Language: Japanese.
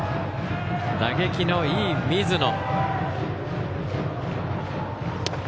打撃のいい水野。